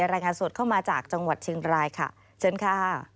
รายงานสดเข้ามาจากจังหวัดเชียงรายค่ะเชิญค่ะ